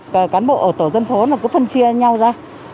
các cán bộ ở tổ dân phố nó cứ phân chia nhau ra